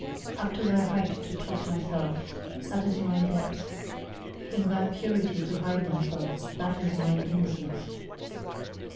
Up to thy height to toss myself that is MY depth! In thy purity to hide myself that is MINE innocence!